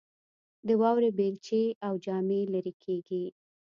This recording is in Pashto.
د واورې بیلچې او جامې لیرې کیږي